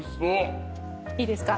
いいですか？